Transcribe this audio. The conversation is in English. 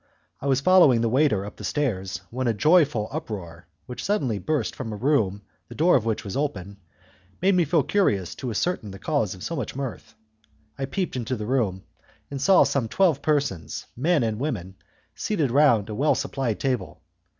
I was following the waiter up the stairs, when a joyful uproar, which suddenly burst from a room the door of which was open, made me curious to ascertain the cause of so much mirth. I peeped into the room, and saw some twelve persons, men and women, seated round a well supplied table.